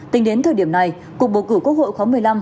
tính đến thời điểm này cuộc bầu cử quốc hội khóa một mươi năm